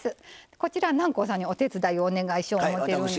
こちら南光さんにお手伝いをお願いしよう思ってるんですけど。